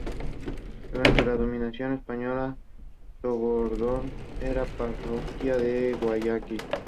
Durante la dominación española Samborondón era parroquia de Guayaquil.